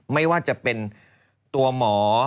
ไม่ว่าจะเป็นตัวหมอ